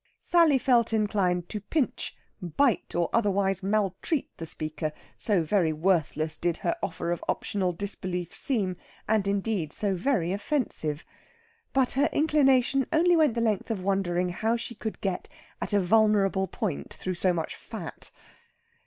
Sally felt inclined to pinch, bite, or otherwise maltreat the speaker, so very worthless did her offer of optional disbelief seem, and, indeed, so very offensive. But her inclination only went the length of wondering how she could get at a vulnerable point through so much fat.